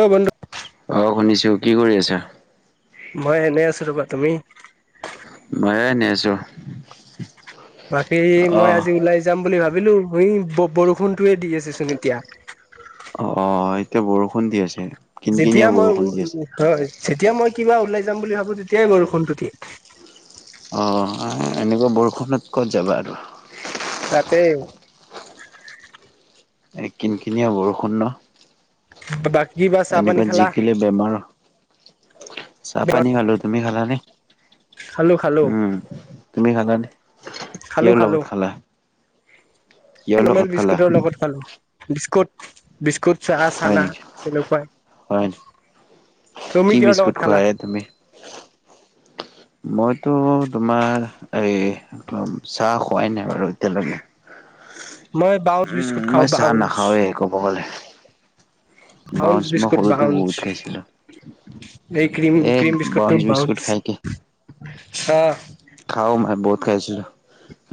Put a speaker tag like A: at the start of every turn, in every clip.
A: অ বন্ধু
B: অ শুনিছো, কি কৰি আছা?
A: মই এনে আছো ৰ'বা, তুমি?
B: ময়ো এনে আছো।
A: বাকী এই মই
B: অহ
A: আজি ওলাই যাম বুলি ভাবিলো। এই ব-বৰষুণটোয়ে দি আছেচোন এতিয়া।
B: অ অ, এতিয়া বৰষুণ দি আছে। কিন
A: যেতিয়া
B: কিনিয়া
A: মই
B: বৰষুণ দি আছে
A: হয় যেতিয়া মই কিবা ওলাই যাম বুলি ভাবো তেতিয়াই বৰষুণটো দিয়ে।
B: অই এনেকুৱা বৰষুণত ক'ত যাবা আৰু।
A: তাকেই।
B: এই কিন-কিনিয়া বৰষুণ ন!
A: বা বাক
B: এনেকুৱাত জিকিলে বেমাৰ হ, চাহ-পানী খালোঁ, তুমি খালানে?
A: খালোঁ খালোঁ।
B: উম তুমি খালানে?
A: খালো
B: কিহৰ
A: খালো
B: লগত খালা? কিহৰ লগত
A: নৰ্মেল
B: খালা
A: বিস্কুটৰ লগত খালোঁ, বিস্কুট। বিস্কুট, চাহ,
B: হয়
A: চানা
B: নেকি হয়
A: তেনেকুৱাই।
B: নেকি
A: তুমি
B: কি
A: কিহৰ
B: বিস্কুট
A: লগত খালা?
B: খোৱাই তুমি মইতো, তোমাৰ এই চাহ খুৱাই নাই বাৰু এতিয়ালৈকে।
A: মই বাউন্স বিস্কুট
B: উম'
A: খাওঁ
B: মই চাহ
A: বাউন্স
B: নাখাওঁ ৱে ক'ব গ'লে।
A: বাউঞ্চ
B: বাউন্স মই
A: বিস্কুট,
B: সৰুতে
A: বাউঞ্চ।
B: বহুত খাইছিলো
A: এই ক্ৰীম,
B: এ
A: ক্ৰীম বিস্কুটটো
B: বঞ্চ বিস্কুট
A: বাউন্স
B: খাইকে
A: অ'
B: খাওঁ মই বহুত খাইছিলোঁ,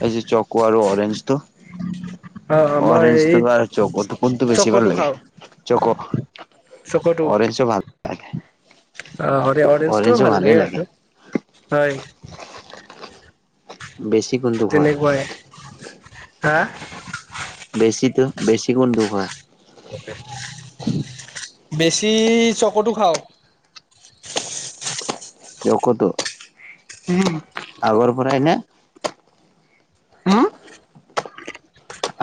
B: এই যে চক' আৰু অৰেঞ্জটো।
A: অ মই
B: অৰেঞ্জটো
A: এই
B: বা চক'টো কোনটো বেছি ভাল
A: চকটো
B: লাগে?
A: খাওঁ
B: চক'।
A: চক'টো আহ, অৰেঞ্চটো
B: অৰেঞ্জো
A: ভাল
B: ভালে
A: লাগে আৰু। হয়।
B: বেছি কোনটো? খোৱা
A: তেনেকুৱাই, হা?
B: বেছিতো, বেছি কোনটো খোৱা?
A: বেছি চক'তো খাওঁ।
B: চকতো?
A: উম'
B: আগৰ পৰাই নে?
A: উম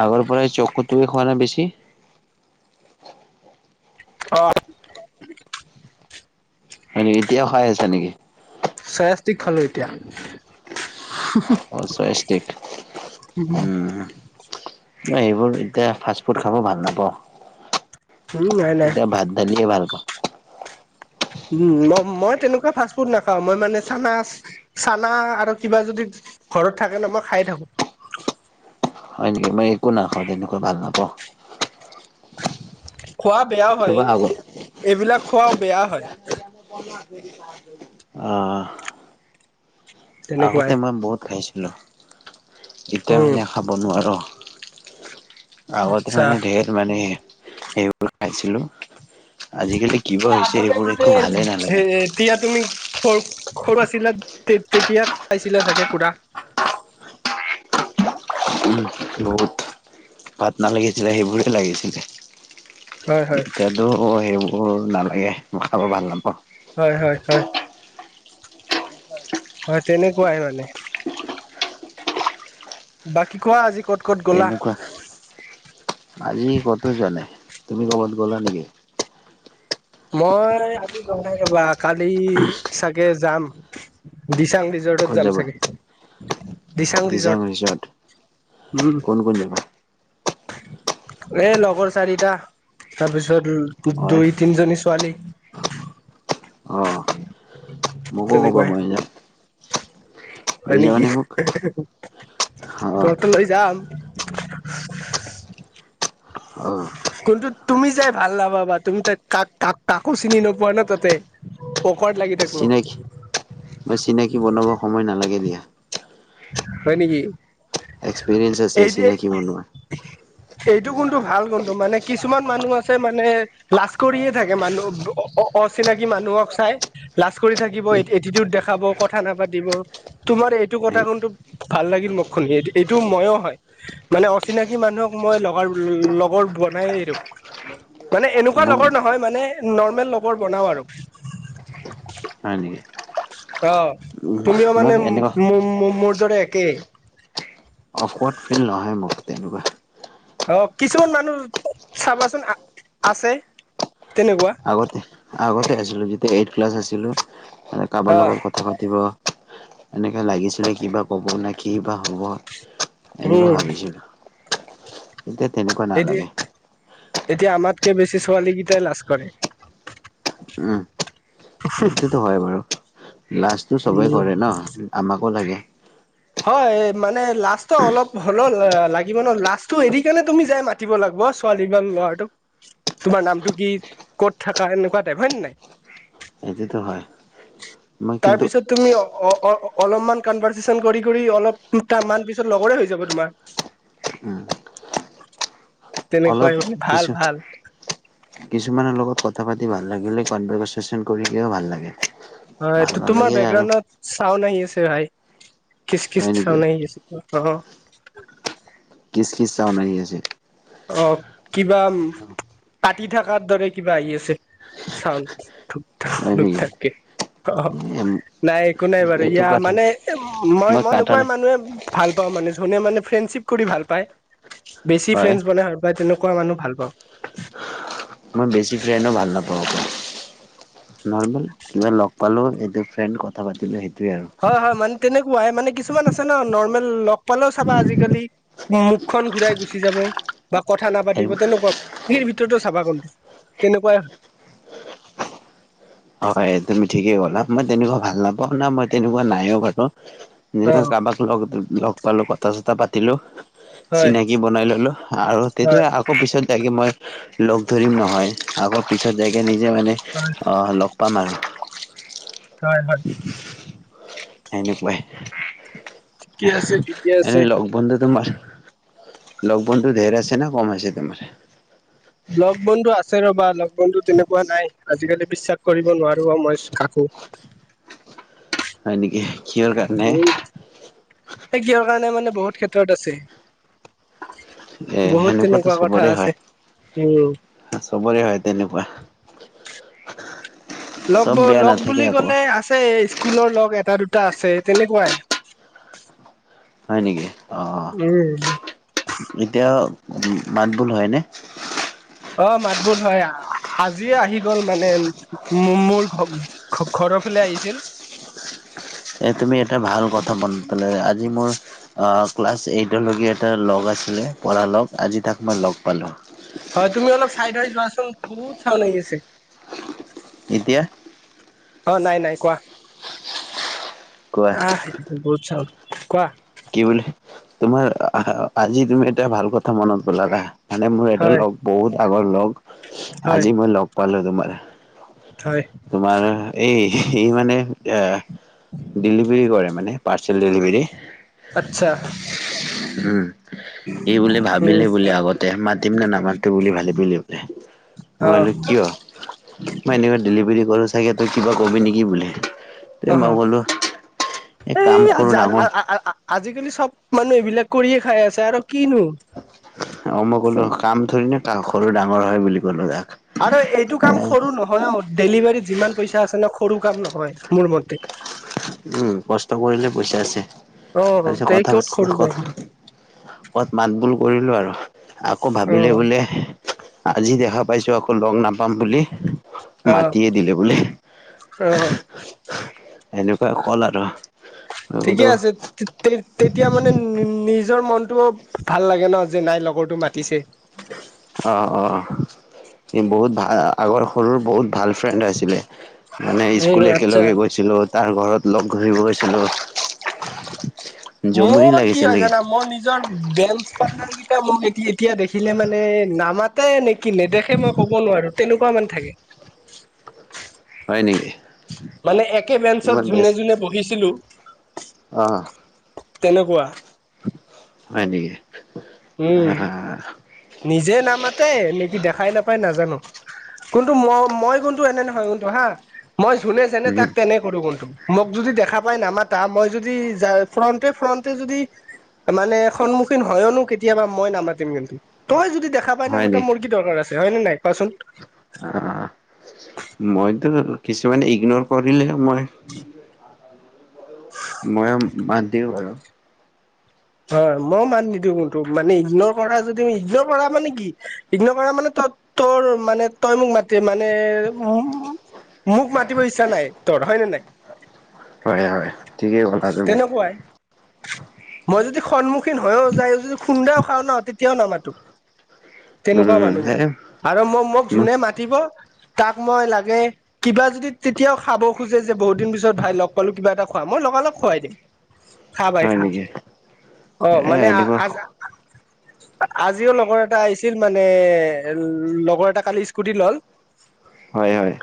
B: আগৰ পৰাই চকটোৱে খোৱা নে বেছি?
A: অ'
B: ই এতিয়াও খাই আছা নেকি?
A: চয়া ইষ্টিক খালোঁ এতিয়া।
B: অ' চয়াইষ্টিক উম'। না সেইবোৰ এতিয়া ফাষ্ট ফুড খাব ভাল নাপাওঁ।
A: উম নাই নাই
B: এতিয়া ভাত, দালিয়ে ভাল পাওঁ।
A: উম' ম মই তেনেকুৱা ফাষ্ট ফুড নাখাওঁ, মই মানে চানা চানা আৰু কিবা যদি ঘৰত থাকে ন, মই খাই থাকোঁ।
B: হয় নেকি, মই একো নাখাওঁ তেনেকুৱা ভাল নাপাওঁ।
A: খোৱা বেয়াও হয়,
B: কিবা আগত
A: এইবিলাক খোৱাও বেয়া হয়।
B: অ'হ আগতে
A: তেনেকুৱাই
B: মই বহুত খাইছিলোঁ, এতিয়া
A: উম
B: মানে খাব নোৱাৰো। আগত
A: আচ্ছা
B: মানে ধেই মানে সেই সেইবোৰ খাইছিলোঁ।
A: এই আগতে মানে এই
B: নালাগে
A: তেতিয়া তুমি সৰ সৰু আছিলা, তেতিয়া খাইছিলা চাগে পুৰা।
B: উম' বহুত। ভাত নালাগিছিলে, সেইবোৰে লাগিছিলে।
A: হয় হয়
B: এতিয়া টো হ সেইবোৰ নালাগে, মই খাব ভাল নাপাওঁ।
A: হয়, হয়, হয়, হয় তেনেকুৱাই মানে। বাকী কোৱা আজি? ক'ত ক'ত গ'লা
B: তেনেকুৱা। আজি ক'তো যোৱা নাই, তুমি ক'ৰবাত গ'লা নেকি?
A: মই কালি চাগে যাম দিচাং ৰিজৰ্ট। দিচাং ৰিজৰ্ট
B: ক'ত
A: যাম
B: যাবা
A: চাগে, দিচাং ৰিজৰ্ট উম'।
B: কোন কোন যাবা?
A: এ লগৰ চাৰিটা, তাৰপিছত
B: হয়
A: দুই তিনিজনী ছোৱালী।
B: অ',
A: তেনেকুৱাই
B: [unintelligible]
A: হয়
B: লৈ
A: নেকি?
B: যাবানে মোক অ
A: তহতলৈ যাম। [inaudible]
B: অ'।
A: কন্তু তুমি যাই ভাল নাপাবা তুমি তাত কা-কা-কা-কাকো চিনি নোপোৱা ন', তাতে। [unintelligible] লাগি থাকিব।
B: চিনাকি [unintelligible] বনাব সময় নালাগে দিয়া।
A: হয় নেকি?
B: এক্সপেৰিয়েঞ্চ আছে চিনাকি বনোৱা।
A: সেইটো কোনটো ভাল কোনটো মানে কিছুমান মানুহ আছে, মানে লাজ কৰিয়ে থাকে, মানুহ অ-অ-অচিনাকি মানুহক চাই। লাজ কৰি থাকিব, এটি-এটিটিউড দেখাব, কথা নাপাতিব তোমাৰ এইটো কথা কোন ভাল লাগিল মোক শুনি, এই-এইটো মইয়ো হয়। মানে অচিনাকি মানুহক মই লগৰ ল-লগৰ বনাইয়ে এৰো। মানে এনেকুৱা
B: মোক
A: লগৰ নহয়, মানে নৰ্মেল লগৰ বনাও আৰু।
B: হয় নেকি?
A: অ', তুমিও
B: মোক
A: মানে
B: এনেকুৱা
A: মো-মো-মোৰ দৰে একেই।
B: অফৱৰ্ড ফিল নহয় মোৰ তেনেকুৱা।
A: অ', কিছুমান মানুহ চাবাচোন আ-আছে, তেনেকুৱা।
B: আগতে, আগতে আছিলো যেতিয়া এইট ক্লাছ আছিলো কাবাৰ
A: অ
B: লগত কথা কথা পাতিব, এনেকে লাগিছিলে কিবা, ক'ব নে কি? কিবা হ'ব? এনেকুৱা
A: উম
B: ভাবিছিলো, এতিয়া তেনেকুৱা
A: এ
B: নালাগে।
A: এতিয়া আমাতকে বেছি ছোৱালীকেইটাই লাজ কৰে।
B: উম, এইটোতো হয় বাৰু, লাজটো সবেই
A: উম,
B: কৰে ন'। উম, আমাকো লাগে।
A: হয়, মানে লাচটো অলপ হল লাগিব ন', লাচটো এৰি কেনে তুমি যাই মাতি পাতিব লাগিব, ছোৱালী বা ল'ৰাটোক তোমাৰ নামটো কি? ক'ত থাকা? এনেকুৱা টাইপ হয় নাই?
B: এইটোতো হয়। মই কিন্তু
A: তাৰপিছত তুমি অ-অ-অলপমান কনভাৰ্চেচন কৰি, কৰি অলপান পিছত লগৰে হৈ যাব তোমাৰ।
B: উম,
A: তেনেকুৱাই
B: অলপ
A: মানে ভাল
B: পিছত।
A: ভাল
B: কিছুমানৰ লগত কথা পাতি ভাল লাগিলে, কণভাৰ্চেচন কৰিও ভাল লাগে।
A: হয়
B: ভাল
A: এটো, তোমাৰ
B: নালাগিল আৰু
A: বেকগ্ৰাউণ্ডত চাওন আহি আছে ভাই কিচ কিচ
B: হয় নেকি
A: চাওন আহি আছে, [unintelligible]
B: কিচ কিচ ছাউণ্ড আহি আছে।
A: অ', কিবা, কাটি থকাৰ দৰে কিবা আহি আছে। ছাউণ্ড
B: হয় নেকি
A: [unintelligible] নাই একো নাই, বাৰু
B: এইটো
A: ইয়া
B: কথা
A: মানে মই, মই
B: কটা
A: এনেকুৱাই
B: নাই
A: মানুহে ভাল পাওঁ মানে যোনে মানে ফ্ৰেণ্ডশিপ কৰি ভাল পায়, বেছি
B: হয়
A: ফ্ৰেণ্ডচ মানে বা তেনেকুৱা মানুহ ভাল পাওঁ।
B: মই বেছি ফ্ৰেণ্ডো ভাল নাপাওঁ। নৰ্মেল কিবা লগ পালো, এইটো ফ্ৰেণ্ড কথা পাতিলো, সেইটোৱে আৰু।
A: হয়, হয়, মানে তেনেকুৱাই মানে কিছুমান আছে ন', নৰ্মেল লগ পালেও চাবা আজিকালি মুখখন ঘূৰাই গুচি যাব বা কথা
B: সেই
A: নাপাতিব তেনেকুৱা ভিতৰতো চাবা কোনটো তেনেকুৱাই
B: হয়, তুমি ঠিকেই ক'লা। মই তেনেকুৱা ভাল নাপাওঁ, না মই তেনেকুৱা নাইও বাৰু।
A: অ
B: কাৰোবাক লগ, লগ পালো কথা-চথা পাতিলো।
A: হয়
B: চিনাকি বনাই ল'লো আৰু
A: হয়
B: তেতিয়া
A: হয়
B: আক আকৌ পিছত যাকে মই লগ ধৰিম নহয়, আগৰ পিছত যাকে নিজে মানে
A: হয়
B: [unintelligible]
A: হয়, হয়।
B: এনেকুৱাই,
A: ঠিকে আছে ঠিকে আছে
B: এনে লগ-বন্ধু তোমাৰ লগ-বন্ধু ধেৰ আছে নে? কম আছে তোমাৰ?
A: লগ-বন্ধু আছে ৰ'বা, লগ বন্ধু তেনেকুৱা নাই, আজিকালি বিশ্বাস কৰিব নোৱাৰো মই কাকো।
B: হয় নেকি! কিহৰ কাৰণে?
A: উম, সেই কিহৰ কাৰণে মানে বহুত ক্ষেত্ৰত আছে।
B: এ
A: বহুত
B: সেনেকুৱাতো
A: তেনেকুৱা কথা
B: চবৰে হয়।
A: আছে। উম।
B: চবৰে হয় তেনেকুৱা। [inaudible]
A: লগ ব,
B: বেয়া
A: লগ
B: নাথাকে
A: বুলি
B: আকৌ
A: ক'লে আছে স্কুলৰ লগ এটা-দুটা আছে, তেনেকুৱাই।
B: হয় নেকি, অ', অ',
A: উম
B: এতিয়া মাত বোল হয় নে?
A: অ, মাত-বোল হয়। আজিয়ে আহি গ'ল মানে, মোৰ ঘ, ঘৰৰ ফালে আহিছিল।
B: এ, তুমি এটা ভাল কথা মনত পালা, আজি মোৰ ক্লাছ এইটলৈকে এটা লগ আছিলে, পঢ়া লগ, আজি তাক মই লগ পালোঁ।
A: হয়, তুমি অলপ চাইদ হৈ যোৱাচোন, বহুত চাউণ্ড আহি আছে।
B: এতিয়া?
A: অ, নাই-নাই কোৱা?
B: কোৱা
A: আহ, বহুত চাউণ্ড, কোৱা?
B: কি বুলি? তোমাৰ আজি তুমি এটা ভাল কথা মনত পেলালা। মানে মোৰ এটা
A: হয়
B: লগ বহুত আগৰ লগ,
A: হয়
B: আজি মই লগ পালো তোমাৰ।
A: হয়।
B: তোমাৰ এই সি মানে এ ডেলিভাৰী কৰে মানে, পাৰ্চেল ডেলিভাৰী।
A: আচ্ছা!
B: উম। সি বোলে ভাবিলে
A: উম
B: বোলে আগতে, মাতিম নে নামাটো বুলি ভাবিলে বোলে। মই
A: অ',
B: বোলো কিয়? মই এনেকুৱা ডেলিভাৰী কৰো চাগে, তই কিবা কবি নেকি বোলে। তে
A: অ, অ,
B: মই ক'লো এই কাম সৰু ডাঙৰ
A: [unintelligible] আজিকালি চব মানুহ এইবিলাক কৰিয়ে খাই আছে আৰু কিনো।
B: অ, মই ক'লো, কাম থৰি না কা সৰু-ডাঙৰ হয় বুলি ক'লো তাক।
A: আৰু এইটো কাম সৰু নহয়, ডেলিভাৰীত যিমান পইচা আছে ন, সৰু কাম নহয়, মোৰ মতে।
B: উম, কষ্ট কৰিলে পইচা আছে,
A: অ',
B: তাৰপিছত
A: তে ক'ত সৰু কাম
B: কথা-কথা [unintelligible] মাত- বোল কৰিলো আৰু আকৌ ভাবিলে
A: অ',
B: বোলে আজি দেখা পাইছো, আকৌ লগ নাপাম বুলি মাতিয়ে দিলে বোলে।
A: অ, অ।
B: এনেকুৱা হ'ল আৰু। মই
A: ঠিকে
B: বোলো
A: আছে, তে তেতিয়া মানে নিজৰ মনতটোও ভাল লাগে ন, যে নাই লগৰটো মাতিছে।
B: অ, অ। স বহুত ভাল আগৰ সৰুৰ বহুত ভাল ফ্ৰেণ্ড আছিলে মানে স্কুল এ একেলগে গৈছিলো তাৰ ঘৰত লগ ধৰিব গৈছিলোঁ জমনি
A: মোৰ কি
B: লাগিছিল
A: হয় জানা মই নি বেঞ্চ পাৰ্টনাৰ কেইটাই মোক এ এতিয়া দেখিলে মানে নামাত ত নেকি নেদেখে মই ক'ব নোৱাৰো তেনেকুৱা মানে থাকে
B: হয় নেকি
A: মানে একে বেঞ্চত
B: তোমাৰ
A: যোনে যোনে বহিছিলো
B: অ
A: তেনেকুৱা
B: হয় নেকি
A: উম
B: আহ
A: নিজে নামাতে নেকি দেখাই নাপায় নাজানো কোনটো মই মই কোনটো এনে নহয় কোনটো হা মই যোনে যেনে
B: উম
A: তাক তেনে কৰো‌ ম‌ই মোক যদি দেখা পাই নামাতা মই যদি য ফ্ৰণ্টে ফ্ৰণ্টে যদি মানে সন্মুখীন হয়নো কেতিয়াবা মই নামাতিম কিন্তু তই যদি দেখা পাই নাই ম
B: হয়
A: এটা
B: নেকি
A: মোৰ কি দৰকাৰ আছে হয় নে নাই কোৱাচোন
B: অ মইতো কিছুমানে ইগনৰ কৰিলে মই মই বাদ দিওঁ আৰু
A: হয় মই মাত নিদিওঁ ত মানে ইগন কৰা যদি ইগনৰ কৰা মানে কি ইগন কৰা মানে তই তোৰ মানে তই মোক মাতি মানে মোক মাতিব ইচ্ছা নাই তোৰ হয়নে নাই
B: হয় হয় ঠিকেই কলা তুমি
A: তেনেকুৱাই মই যদি সন্মুখীন হৈয়ো যায় যদি সুন্দাও খাওঁ ন তেতিয়াও নামাতো তেনেকুৱা
B: উম
A: মানুহ
B: হে
A: মই আৰু মই মোক যোনে মাতি তাক মই লাগে কিবা যদি তেতিয়াও খাব খোজে যে বহুত দিন পিছত ভাই লগ পালো কিবা এটা খোৱা মই লগা লগ খোৱাই দিম খা ভাই
B: হয়
A: খা
B: নেকি
A: অ
B: এ এনেকুৱা
A: মানে আজিও লগৰ এটা আহিছিল মানে লগৰ এটা কালি স্কুটি ল'ল
B: হয় হয়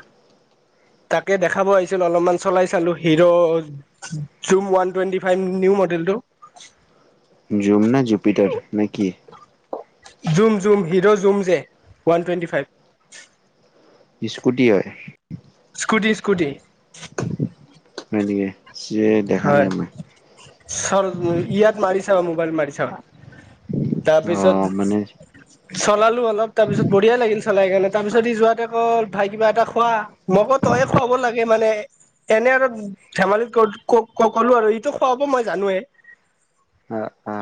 A: তাকে দেখাব আহিছিলো অলপমান চলাই চালো হিৰ' চুম ওৱান টুৱেণ্টি ফাইভ নিউ মডেলটো
B: জুম না জুপিটাৰ নে কি
A: জুম জুম হিৰ' জুম যে ৱান টুৱেণ্টি ফাইভ
B: স্কুটি হয়
A: স্কুটি স্কুটি
B: হয় নেকি সে দেখা নাই মই
A: চ ইয়াত মাৰি ছাবা মোবাইল মাৰি ছাবা
B: অ
A: তাৰপিছত
B: মানে
A: চলাল অলপ তাৰপিছত বঢিয়া লাগিল চাই কাৰণ তাৰ পিছত ই যোৱাতেকৌ ভাই কিবা এটা খোৱা মকো তয়ে খুৱাব লাগে মানে এনে আৰু ধেমালি কৰ ক ক'লো আৰু এইটো খোৱাাব মই জানোৱে
B: অ অ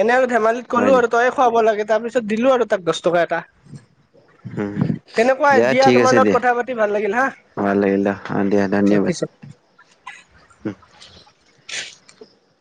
A: এনে আৰু ধেমালিত
B: হয়
A: কলো
B: নি
A: আৰু তইয়ে খুৱাব লাগে তাৰপিছত দিলো আৰু তাক দছ টকা এটা
B: উম,
A: তেনেকুৱাই
B: দিয়া ঠিক
A: তোমাৰ
B: আছে
A: লগত
B: দিয়া।
A: কথা পাতি ভাল লাগিল হা
B: ভাল লাগিল, অ', দিয়া ধন্যবাদ
A: ৰাখিছো।